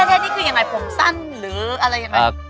เท่นี่คือยังไงผมสั้นหรือกินอะไรอย่างไร